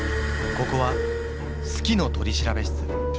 ここは「好きの取調室」。